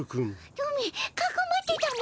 トミーかくまってたも。